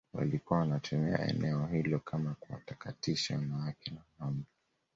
walikuwa wanatumia eneo hilo kama kuwatakatisha wanawake na wanaume